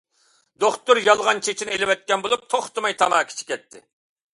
دوختۇر يالغان چېچىنى ئېلىۋەتكەن بولۇپ، توختىماي تاماكا چېكەتتى.